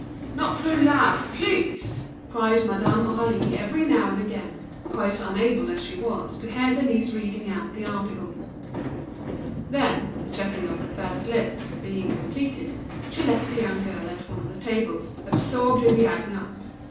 "Not so loud, please!" cried Madame Aurélie, now and again, quite unable to hear Denise reading out the articles. When the checking of the first lists was finished, she left the young girl at one of the tables, absorbed in the adding up.